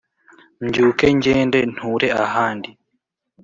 mbyuke ngende nture ahandi